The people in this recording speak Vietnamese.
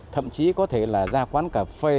thậm chí có thể là ra quán cà phê